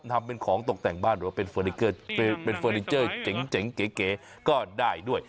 ทำเป็นของตกแต่งบ้านหรือว่าเป็นเฟอร์นิเจอร์เจ๋งเก๋ก็ได้ด้วย